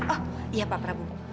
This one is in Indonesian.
oh iya pak prabu